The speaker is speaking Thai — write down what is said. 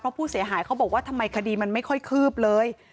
เพราะผู้เสียหายเขาบอกว่าทำไมคดีมันไม่ค่อยคืบเลย